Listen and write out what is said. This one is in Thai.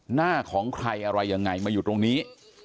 หน้าของใครอะไรยังไงมาอยู่ตรงนี้